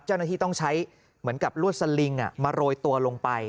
เจ้าหน้าที่ต้องใช้เหมือนกับลวดสลิงมาโรยตัวลงไป